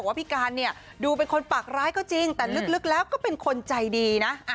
ว่าพี่การเนี่ยดูเป็นคนปากร้ายก็จริงแต่ลึกแล้วก็เป็นคนใจดีนะ